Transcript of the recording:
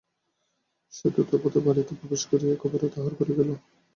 সে দ্রুতপদে বাড়িতে প্রবেশ করিয়াই একেবারে তাহার ঘরে গেল।